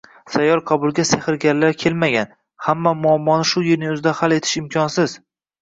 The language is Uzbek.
Sayyor qabulga sehrgarlar kelmagan, hamma muammoni shu yerning o‘zida hal etish imkonsiz